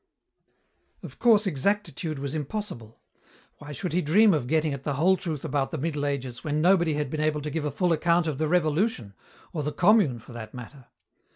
Of course exactitude was impossible. Why should he dream of getting at the whole truth about the Middle Ages when nobody had been able to give a full account of the Revolution, of the Commune for that matter?